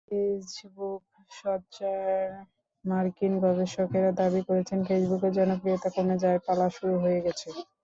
Facebook মৃত্যুশয্যায়মার্কিন গবেষকেরা দাবি করছেন, ফেসবুকের জনপ্রিয়তা কমে যাওয়ার পালা শুরু হয়ে গেছে।